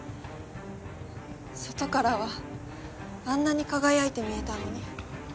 外からはあんなに輝いて見えたのに。